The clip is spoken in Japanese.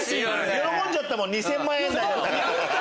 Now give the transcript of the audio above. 喜んじゃったもん２０００万円台だったから。